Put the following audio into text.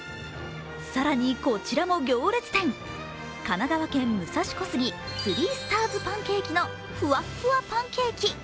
更にこちらも行列店神奈川県武蔵小杉スリースターズパンケーキのふわっふわパンケーキ。